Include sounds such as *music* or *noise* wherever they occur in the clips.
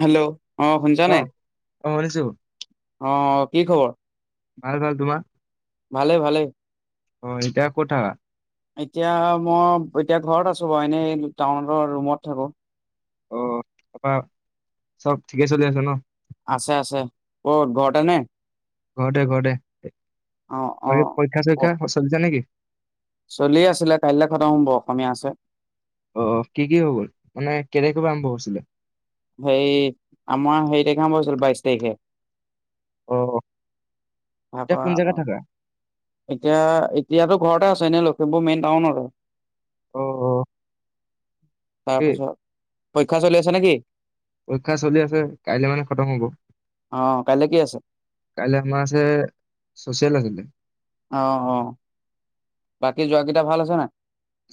Hello অ শুছানাই অ শুনিছো অ কি খবৰ ভাল ভাল তোমাৰ। ভালে ভালে অ' এতিয়া কথা এতিয়া মই এতিয়া ঘৰত আছো বাৰু এনেই টাউন ৰুমত থাকো অ' তাৰপা চব ঠিকে চলি আছে ন আছে আছে ক'ত ঘৰতে নে, ঘৰতে ঘৰতে অ অ পৰীক্ষা চৰীক্ষা চলি যা নেকি, চলিে আছিলে কাইলৈ খদ হম ব অসমীয়া আছে অ কি কি হৈ গ'ল মানে কেনেকৈ পৰা আৰম্ভ হৈছিলে হেই আমাৰ হে তাৰিখে আৰম্ভ হৈছিল বাইশ তাৰিখে অ অ তাৰ পৰা অ এতিয়া এতিয়াতো ঘৰতে আ এনে লখিমপুৰ মেইন টাউন আৰু অ অ বাকী তাৰপিছত পৰীক্ষা চলি আছে নেকি পৰীক্ষা চলি আছে কাইলে মানে খতম হব। অ কাইলৈ কি আছে কাইলৈ আমাৰ আছে চচিয়াল আছিলে। অ' অ' বাকী যোৱ কেইটা ভাল আছে না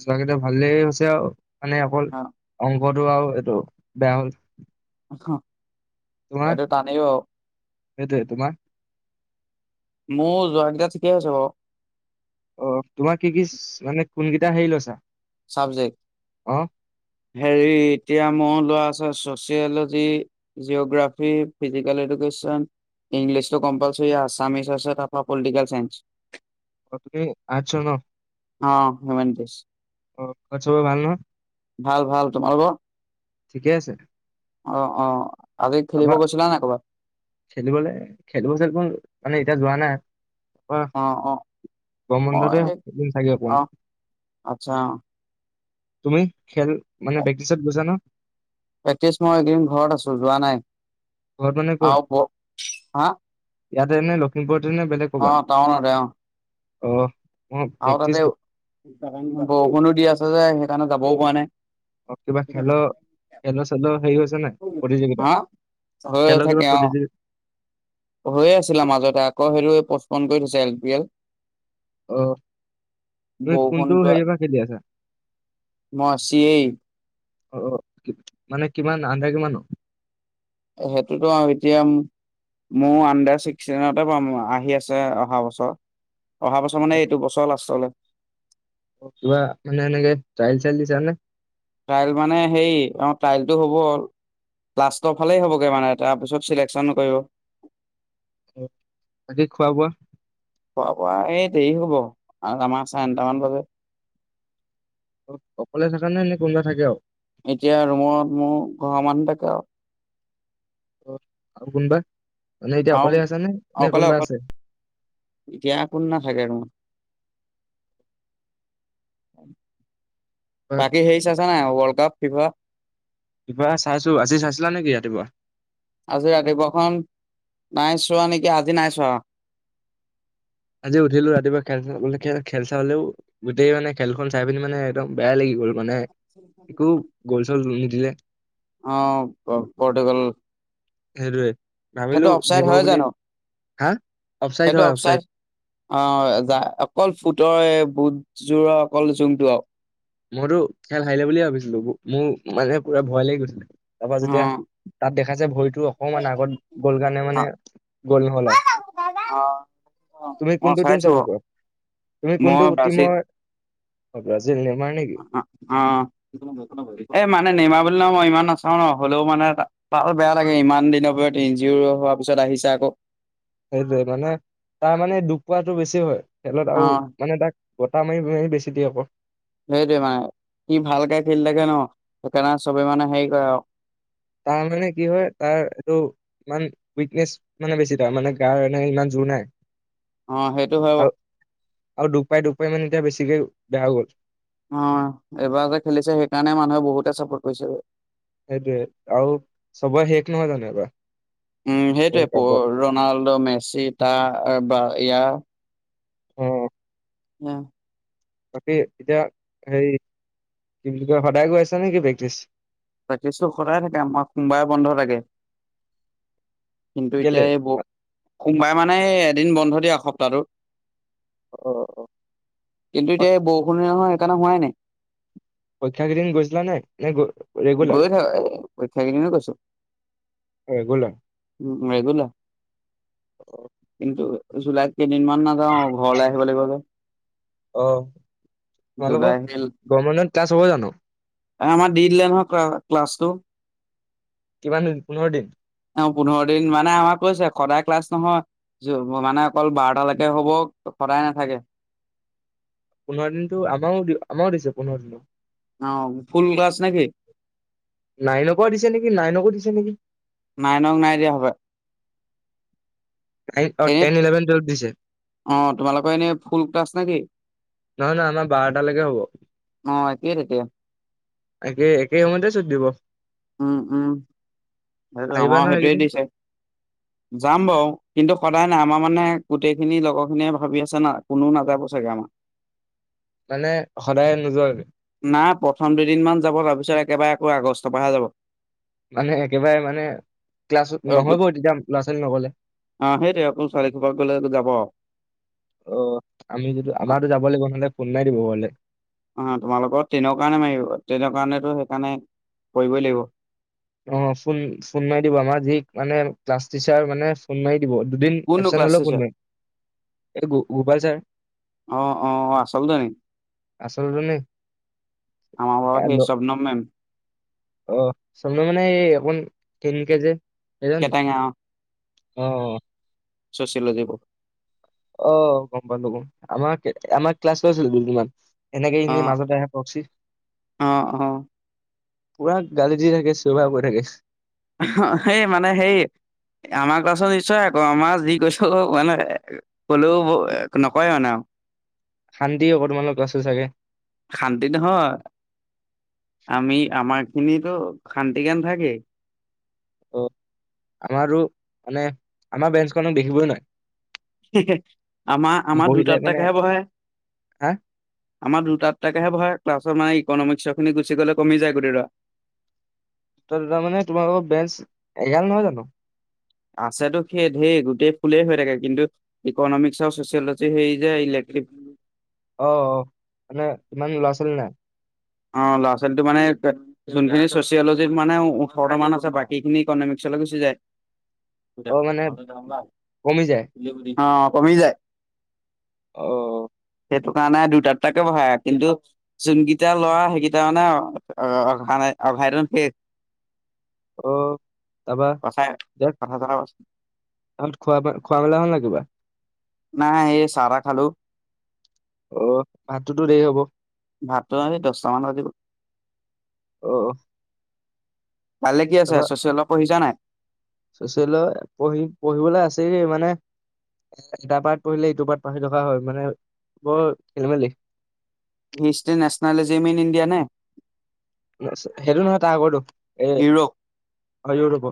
যোৱাকেইিত ভালেই হৈছে আৰু মানে অকল অ অংকটো আৰু এইটো বেয়াহল, এইটো টানেইও সেইটোতোম মোৰ যোৱাকটা ঠিকে আছে ব অ' তোমাক কি কি মানে কোনকেইটা হেৰি লছা চাবজেক্ট অ হেৰি এতিয়া মই লৰাছে sociology geography physical education English টো কম্পালসৰি আছামিছ আছে তাপা পলিটিকেল চাইন্স অ তুমি আছ ন অ' হিউমেনিটিজ। অ' খ চব ভাল ন ভাল ভাল তোমাৰোকৰ ঠিকে আছে। অ অ আজি খেলিব তাৰপা গৈছিলা নাই ক'ৰবাত? খেলিবলৈ খেলিব চ মানে এতিয়া যোৱা নাই অ' অ' গ্ৰ মই বন্ধতেদিন চাগে অকমান অ' আচ্ছা তুমি খেল মানে বেক্টিচত গুছা ন প্ৰেক্টিছ মই একদিন ঘৰত আছো যোৱা নাই ঘৰত মানে ক'ত আৰু ব হা ইয়াতে এনে লখিমপুৰ অ টউন দে অ' মই আৰু প্ৰেক্টিচ তাতে বৰষুণো দি আছে যে সেইকাৰণে যাবও প নাই অ কিবা খেল খেল চেল হেছে নাই প্ৰতিযোগিতা হা হৈ খেলৰ কিবা থাকে অ'। প্ৰতিযোগিত হৈয়ে আছিলা মাজতে আকৌ সেইটো পচপন কৰি থৈছে এল পি এল আহ তুমি কোনটো হেৰিৰ পৰা খেলি আছা মচিয়েই অ মানে কিমান আন্ধা কিমানো সেইটোতো আৰু এতিয়া মোৰ আণ্ডাৰ ছিক্সটিনতে পাম আহি আছে অহা বছৰ অহা বছৰ অ, মানে এইটো বছৰ লাষ্টলৈ কিবা মানে এনেক চ্ৰাইল চাইল দিছে নে ট্ৰাইল মানে হেই অ ট্ৰাইলটো হ'ব'ল লাষ্টৰ ফালেই হ'বগে মানে তাৰপিছত চিলেকচন কৰিব তাকি খোৱা বোৱা খোৱা বোৱা এই দেৰি হ'ব আমাৰ চাৰে আনটামান বজাত অকলে থাকা নে নে কোনোবা থাকে আৰু এতিয়া ৰুমত মোৰ ঘৰ মানুহ থাকে আৰু অ' আৰু গুনবা আহ অকলে অকলেতিয়া কোন না থাকে আৰু ম বা বাকী সেইচ আছে নাই ৱৰ্ল্ড কাপ শভা কিবা চাইছো আজি চাইছিলা নেকি ৰাতিপুৱা? আজি ৰাতিপুৱাখন নাই চোৱা নেকি আজি নাই চোৱা আজি উঠিলো ৰাতিুৱা খেল চা খ খেল চ হলেও গোটেই মানে খেলখন চাই পিনি মানে একদম বেয়া লাগি গ'ল মানে একো গল চল নিদিলে। অ' পৰ্টুগাল সেইটোৱে সেইটো ভাবিলো অফচাইড হয় জৱ বুলি জানো হা অফচাইড হয় অফচাইড অ' য অকল ফুটৰ বুটযোৰৰ অকল জোংটো আৰু মইতো খেল হাৰিলে বুলিয়ে ভাবিছিলো মোৰ মানে পুৰা ভয় লাগি গৈছিলে তাৰ পৰা যেতিয়া তাত দেখা যায় ভৰিটো অকমান আগত গ'ল কাৰণে মানে গ'ল নহ'ল আৰু অ অ তুমি মই কোনটো টিম চাইছো চাব পাৰা তুমি মই কোনটো বাচিত টিমৰ বাজিল অ এ মানে নমা বুলি ন মই ইমান নাচাও ন হ'লেও মানে তাল বেয়া লাগে ইমান দিনৰ ভৰত এন জি অ হোৱাৰ পিছত আহিছে আকৌ সেইটোৱে মানে তাৰ মানে দুখ পোৱাটো বেছি হয় খেলত অ আৰু মানে তাক, গোটা মাৰি মাৰি বেছি দি হ'ব সেইটোৱে মানে স ভালকে খেলি থাকে ন সেইকাৰণে চবেই মানে হেৰি কৰে আৰু তাৰ মানে কি হয় তাৰ এইটো ইমান উইকনেছ মানে বেছি ধ মানে গাৰ এনে ইমান ত নাই অ সেইটো হয় বাৰু আৰু আৰু দুপাই দুপাই মানে এতিয়া বেছিকে বেয়া গ'ল অ এবাৰ যে খেলিছে সেইকাৰণে মানুহে বহুতে চাপোৰ্ট কৰিছে সেইটোৱে আৰু চবৰে শেষ নহয় জানোবাৰ উম সেইটোৱে প ৰনাল্ডো মেচি তাৰ বা ইয়াৰ অ' উ বাকী এতিয়া হে কি বুলি কয় সদায় গৈ আছা নেকি প্ৰেক্টিচ ৰাাকী চো সদায় থাকে আমাক সোমবাই বন্ধ থাগে কিন্তু কেলে এতিয়া এই ব সোমবাৰে মানে এদিন বন্ধ দিয়ে এসপ্তাহটো অ কিন্তু অ এতিয়া বৰষুণ নহয় সেইকাৰণে হোৱাই নাই পৰীক্ষা কেইদিন গচলা নাই নাই গৈ থাক এ পৰীক্ষা কিনো গৈছো ৰেগুলাৰ মেগল অ কিন্তন্তু জুল তিদিন মান নাযাওঁ ঘৰলৈ আহিব লাগিব যে অ' জুলাই তোমালোকৰ আহিল গমেন্টত ক্লাছ হ'ব জানো আমাৰ দি দিলে নহয়া ক্লাছটো কিমান পোন্ধৰ দিন পোন্ধৰ দিন মানে আমাক কৈছে সদায় ক্লাছ নহয় মানে অকল বাৰটালৈকে হব সদায় নাথাকে পোন্ধৰ দিনতটো আমাৰও দি আমাৰও দিছে পোন্ধৰ দিনো অ' ফুল গছ নেকি? নাইনক দিছে নেকি নাইনকো দিছে নেকি নাই নক নাই দিয়া হব। নাইন অ এনে টেন ইলেভেন টুৱেল্ভ দিছে অ তোমালোকৰ এনে ফুল তাছ নে কি? নহয় নহয়, আমাৰ বাৰটালৈকে হব। অ একেই তেতিয়া একে একে সময়তে চুটি দিব। উম। সেইটো আহিবা আমাৰ নহয় সেইটোয়ে এইকেইদিন দিছে যাম বাৰু কিন্তু, সদায় নাই আমাৰ মানে গোটেইখিনি লগৰ খিনিয়ে ভাবি আছে না কোনোও নাযাব চাগে আমাৰ। মানে সদায় নোযোৱাকে না প্ৰথম দুদিন মান যাব তাৰপিছত একেবাৰে। অ আগষ্ট পাহে যাব। মানে একেবাৰে মানে ক্লাছত অ নহবৈ তেতিয়া ল'ৰা ছোৱালী নগলে। সেইটে আৌ চিফ *unintelligible* অ' আমি যটো আমাৰতো যাব লাগিব নহলে, কোন নাই দিব হলে। অ' তোমালোকৰ ট্ৰেইনৰ কাৰণে মাৰিব, ট্ৰেইনৰ কাৰণো সেইকাৰণে, কৰিবই লাগিব। অ ফোন ফোন মাৰি দিব আমাৰ যি মানে ক্লাছ টিচাৰ মানে ফোন মাৰি। থিব দুদিন কোনটো এপচেণ্ট ক্লাছ হলেও টিচাৰ ফোনা কৰিম গোপাল ছাৰ। আহ আহ আহ আচলতে নেকি। আচলতে আমাৰ বৰ সেই স্বপ্নময় মেম। অ' চম মানে এই অ' তিন কেজে। কেটঙা অ' অ'। ছ'চিয়েলজীবুক। অ গম পালো গম আমাক আমাৰ ক্লাছ লৈছিল দুদিনমান। এনেকে অ ইি মাজতে আহে কওকচি অ অ পুৰা গাল দি থাকে, চোভা হৈ থাকে। সেই মানে সেই, আমাৰ কচোন নিশ্চয় আকৌ, আমাৰ যি কৈছো মানে কলেও নকৰে মানে আৰু। শান্তি অকণমান আছে চাগে। শান্তি নহয়, আমি আমাক খিনিতো শান্তিকে নেথাকেই। অ' আমাৰো মানে, আমাৰ বেঞ্চখনক দেখিবই নোৱাৰে। আমাৰ, আমাৰ বহিলে মানে দুটাটাকাহে বহে। হা আমাৰ দুটাটাকেহে বহে ক্লাছৰ মানে, ইক'নমিক্স খিনি গুচি গ'লে কমি যায় গোটে ল'ৰা। তাৰ মানে তোমালোকৰ বেঞ্চ, এঘাল নহয় জানো। আছেতটো সে ধঢেৰ গোটেই ফুলেই হৈ থাকে, কিন্তু ইকনমিক্স আৰু ছচিয়লজি সেই যে ই উম। আহ অ মানে ইমান ল'ৰা ছোৱালী নাই। অ ল'ৰা ছোৱালী মানে যোনখিনি চচিয়লজিত মানে ওঠৰতা মান আছে বাকীখিনি ইকনিক চলৈ গুচি যায়। অ', মানে কমি যায় অহ কমি যায়। অ সেইটো কাৰণাই দুটাতটাকে বহাই কিন্তু, চোন এতিয়া লৰা সেইকেইটাাৰ মানে অ', নাই অঘাইতন শেষ। অ' তাবা, কথাই দে কথা চথা *unintelligible* ত খোৱা, খোৱা মেলা হল ন কিবা? নাই এই চাহ তাহ খালো। অ ভাতটোতো দেৰি হ'ব। ভাতটো আমি দহটা মান বাযিব অহ। কাইলৈ কি আছে? চচিয়লৰ পঢ়িছা নাই? চচি পঢ়ি পঢ়িবলৈ আছেগে মানে, এ এটা পাৰাত পঢ়িলে এইটো পাৰ্ত পঢ়ি থকা হয়, মানে বৰ খেলিমেলি হিষ্টৰী নেশচনেলিজিম ইন ইণ্ডিয়া নে? সেইটো নহয় তাৰ আগৰটো এ হও ৰব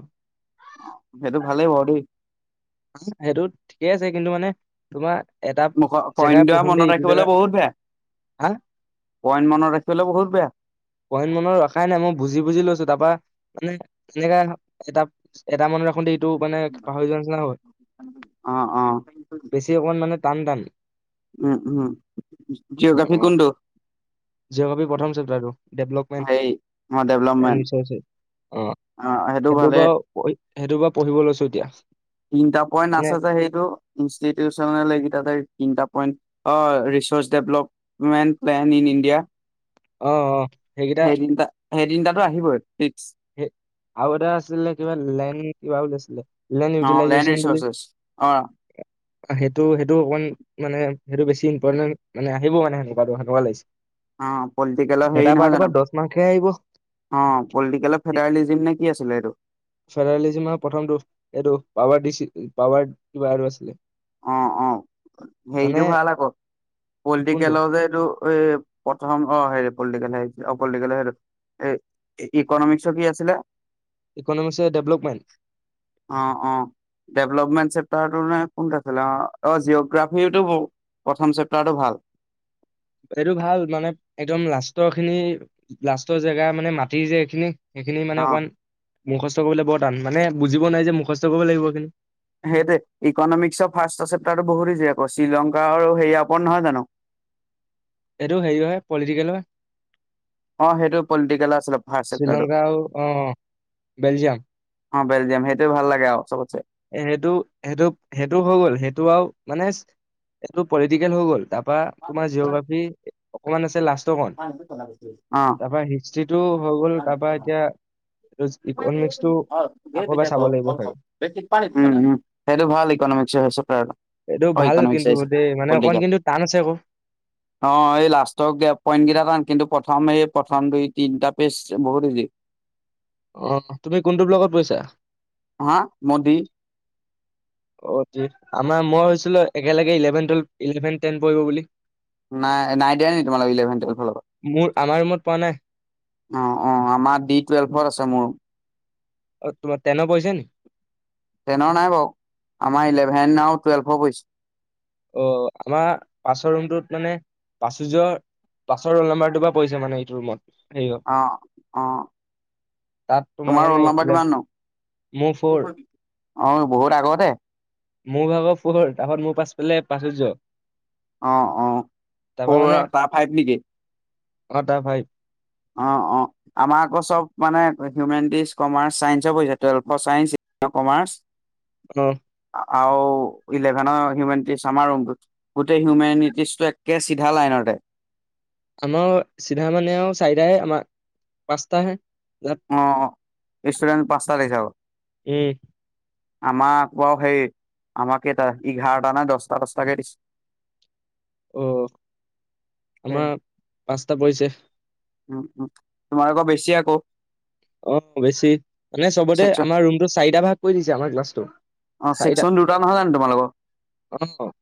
অ', সেইটো ভালেই বাৰু দেই সেইটো ঠিকেই আছে কিন্তু মানে তোমাৰ এটা মুখ পইণ্ট জেগাই দৰা পঢ়োতে মনত এইটো জেগা ৰাখিবলৈ বহুত বেয়া হা পইণ্ট মনত ৰাখিবলৈ বহুত বেয়া। কহন *unintelligible* মনৰ ৰখাই নাই মই বুজি বুজি লৈছো তাৰাপা মানে এনেকা এটা এটা মানুহ ৰাখোতে এইটো পাহৰি যোৱা নাছিনা হয়। অ অ বেছি অকণমান টান টান। উম উম জিঅ'গ্ৰাফিৰ কোনটো? জিঅ'গ্ৰাফীৰ প্ৰথম চেপ্টাৰটো ডেভেলপমেণ্ট। হেৰি অ এ ডেভলপমেণ্ট বিচয়ছে অ অ সেইটো সদ *unintelligible* ভালে সেইটো পা পঢ়িব লৈছোঁ এতিয়া। তিনটা পইন্ট মানে আছে যে সেইটো ইনষ্টিটিউচনেকিটাতে তিনিটা পইণ্ট অ', research development plan in India. অ', অ' সেইকেইটা সেইদিন খেইতিনটাতো আহিবই। ফিক্স আৰু এটা আছিলে কিবা লেন কিবা বুলি আছিলে। *unintelligible* অ লেণ্ড ইউটিলাইজেচন বুলি ৰিচৰ্চেছ অ সেইটো সেইটো অকমান। মানে সেইটো বেছি ইম্পৰ্টেণ মানে আহিব মানে সেনেকুৱাটো সেনেকুৱাতো লাগিছে। অ পলিটিকেলৰ হেৰি এটা নহয় পাৰটৰ জানো পৰা দহ ৰ্মাক্স হে আহিব। অ পলিটিকেলৰ ফেডাৰেলিজিম নে কি আছিলে এইটো ফেদেৰালিজিমৰ প্ৰথমটো এইটো পাৱাৰ দিছি পাবাৰ কি বাহিৰ বছলে *unintelligible* অ', অ', হেৰিতটো ভাল আকৌ কোনটো পলিটিকেলৰ যে এইটো এই প্ৰথম অ' হেৰি পলিটিকেল হৰি অ পলিটিকেল হেটো। ইকনমিক্সত কি আছিলে? ইকনমিক্সৰ ডেভেলপমেন্ট অ', অ', ডেভলপমেণ্ট চ *unintelligible* কোনটো আছিল অ', জিঅগ্ৰাফিটো প্ৰথম চেপ্তাৰটো ভাল এইটো ভাল মানে একদম লাষ্টৰ খিনি লাষ্টৰ জেগা মানে মাটি যে এইখিনি সেইখিনি অ মানে অকমান মুখস্থ কৰিবলৈ বৰ টান মানে বুজিব নোৱাৰি যে মুখস্থ কৰিব লাগিব এইখিনি সেইটোৱে, ইকনমিক্সৰ ফাৰ্ষ্ট চেপ্তাৰটো বহুত ইজিআকৌ শ্ৰীলংকাৰ হেৰি ওপৰ নহয় জানো? এইটো হেৰি হয় পলিটিকেলৰ হয়। অ', সেইটো পলিটিকেলৰ আছিলে ফাৰ্ষ্ট চেপ্টাৰটো শ্ৰীলংকা আৰু অ', বেলজিয়াম অ', বেলজিয়াম সেইটোয় ভাল লাগে আৰু সৱটসে। এ সেইটো, সেইটো, সেইটো হৈ গ'ল সেইটো আৰু মানে এইটো পলিটিকেল হৈ গ'ল তাৰপা অ তুমাৰ জিঅ'গ্ৰাফি অকমান আছে লাষ্ট *unintelligible* ইকনমিক্সটো আকৌ এবাৰ চাব লাগিব চাগে উম, উম সেইটো ভাল ইকনমিক্স হৈছে প্ৰ এইটো ভাল ইক'নমিক্স কিন্তু এ আছিল দেই মানে অকমান পলিটিকেল। কিন্তু টান আছে আকৌ অ', এই লাষ্ট গ পইণ্ট কেইটা টান কিন্তু প্ৰথম প্ৰথম দুই, তিনিটা পেজ বহুত ইজি। অ', তুমি কোনটো ব্লকত পৰিছা? হা মোদী *unintelligible* অ', আমাৰ মই হৈছিলো একেলগে ইলেভেন, টেনত, ইলেভেন টেন পৰিব বুলি। নাই নাই দিয়া নেকি ইলেভেন টুৱেলভৰ লগত। মোৰ আমাৰ ৰুমত পৰা নাই অ', অ', আমাৰ ডি টুৱেলভত আছে মোৰ। অ', তোমাৰ টেনৰ পৰিছে নেকি? তেনৰ নাই বাৰু আমাৰ ইলেভেন আৰু টোৱেলফৰ পৰিছে। অ আমাৰ পাছৰ ৰূমটোত মানে পাচুযৰ পাছৰ ৰলনাম্বাৰ টোৰ পৰা পৰিছে মানে এইটো ৰুমত। হেৰি হ'ল অ', অ'। তাত তোমাৰ মানে ৰোল নম্বৰ কিমান নু? মোৰ ফ'ৰ *unintelligible* অ বহুত আগতে মোৰ ভাগৰ পোহৰ তাৰপত মোৰ পাছফালে পাঁচূৰ্য অ অ ফ তাৰ ফাইভ নেকি অটা ভাই অ অ আমাৰ আকৌ চব মানে হিউমেনিটিজ কমাৰ্চ চাইন্স পৰিছে টুৱেলফ চাইন্স কমাৰ্চ অহ। আৰু ইলেভেনৰ হিউমেিটিছ আমাৰ গোটেই হিউমেিটিজটো একে চিধা লাইনতে আমাৰ চিধা মানে আৰু চাৰিটাহে আমাৰ, পাঁচটাহে তাত অ ৰেষ্টুৰেণ্ট পাঁচটা লখি যাব উম আমাক বাৰ সেই, আমাক কেইটা, এঘাৰটা নাই দহটা দচটাকে দিছে। অ' আমাৰ পাঁচটা পৰিছে। উম উম তোমাৰ আকৌ বেছি আকৌ অ বেছি মানে চবতে চেকচন আমাৰ ৰুমটো চাৰিটা ভাগ কৈ দিছে আমাৰ ক্লাছটো অ' চাৰিটা চেকন দু নহয় জানো তোমালোকৰ? অ',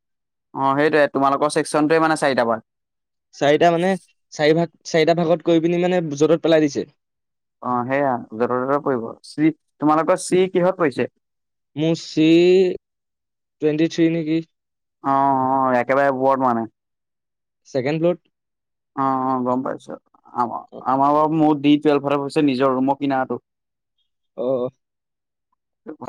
অ' সেইটয়ে তোমালোকৰ চেকন মানে চাৰিটা বান চাৰিটা মানে, চাৰি ভাগ, চাৰিটা ভাগত কৰি পিনি মানে য'টত পেলাই দিছে। অ' সেয়া জত ততে পৰিব। চি, তোমালোকৰ চি কিহত পৰিছে? মোৰ চি টুৱেণ্টি থ্ৰী নেকি অ অ একেবাৰে উপত মানে ছেকেণ্ড ফ্লত অ' অ' গম পাইছো, আম আমাৰ ব *unintelligible* মোৰ দি টুৱেলভাৰ হৈছে নিজৰ ৰুমৰ কিনাাৰটো। অ'। *unintelligible*